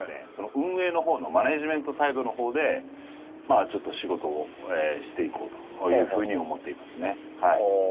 運営の方のマネジメントサイドの方でちょっと仕事をしていこうという風に思っていますね。